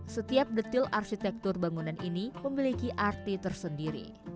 setiap detil arsitektur bangunan ini memiliki arti tersendiri